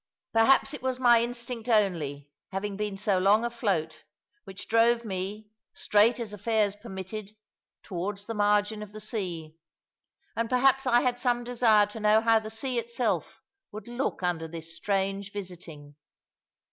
Perhaps it was my instinct only, having been so long afloat, which drove me, straight as affairs permitted, toward the margin of the sea. And perhaps I had some desire to know how the sea itself would look under this strange visiting.